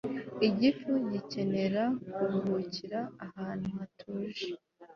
Igifu gikenera kuruhukira ahantu hatuje